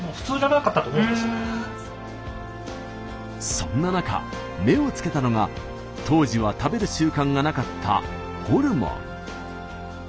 そんな中目をつけたのが当時は食べる習慣がなかったホルモン。